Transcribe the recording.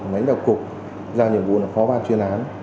mấy đạo cụp ra nhiệm vụ là phó ban chuyên án